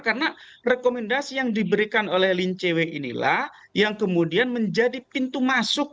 karena rekomendasi yang diberikan oleh lin cw inilah yang kemudian menjadi pintu masuk